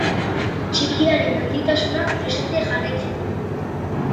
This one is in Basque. Txikiaren handitasunak presente jarraitzen du.